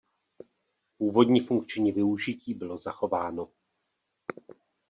Původní funkční využití bylo zachováno.